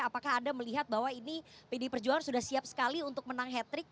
apakah anda melihat bahwa ini pdi perjuangan sudah siap sekali untuk menang hat trick